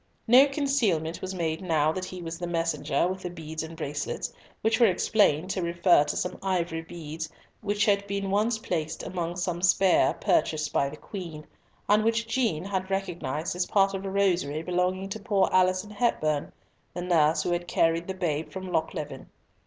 No concealment was made now that he was the messenger with the beads and bracelets, which were explained to refer to some ivory beads which had been once placed among some spare purchased by the Queen, and which Jean had recognised as part of a rosary belonging to poor Alison Hepburn, the nurse who had carried the babe from Lochleven.